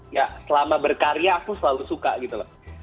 ya selama berkarya aku selalu suka gitu loh